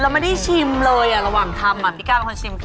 เราไม่ได้ชิมเลยระหว่างทำพี่ก้าวเราต้องชิม